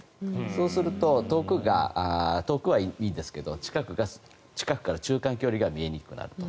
そうすると、遠くはいいですけど近くから中間距離が見えにくくなると。